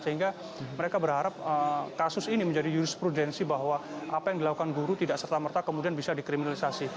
sehingga mereka berharap kasus ini menjadi jurisprudensi bahwa apa yang dilakukan guru tidak serta merta kemudian bisa dikriminalisasi